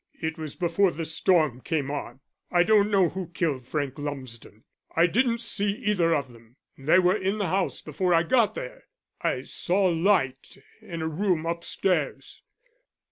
It was before the storm came on. I don't know who killed Frank Lumsden. I didn't see either of them. They were in the house before I got there. I saw a light in a room upstairs.